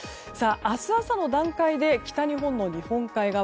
明日朝の段階で北日本の日本海側